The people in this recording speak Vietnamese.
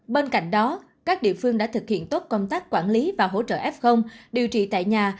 bên cạnh đó các địa phương đã thực hiện tốt công tác quản lý và hỗ trợ f điều trị tại nhà